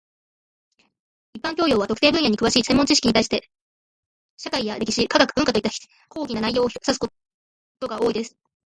一般教養 （general knowledge） は、特定分野に詳しい専門知識に対して、社会や歴史、科学、文化といった広範な内容を指すことが多いです。